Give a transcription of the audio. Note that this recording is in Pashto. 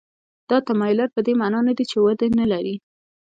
دا تمایلات په دې معنا نه دي چې وده نه لري.